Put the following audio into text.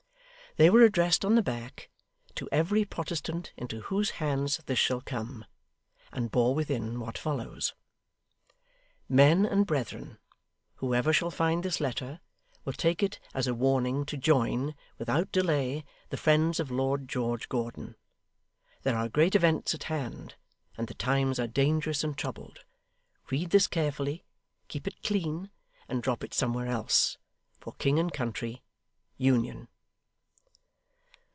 They were addressed on the back 'To every Protestant into whose hands this shall come,' and bore within what follows: 'Men and Brethren. Whoever shall find this letter, will take it as a warning to join, without delay, the friends of Lord George Gordon. There are great events at hand; and the times are dangerous and troubled. Read this carefully, keep it clean, and drop it somewhere else. For King and Country. Union.